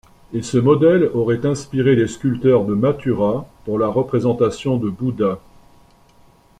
Et ce modèle aurait inspiré les sculpteurs de Mathura pour la représentation de Bouddha.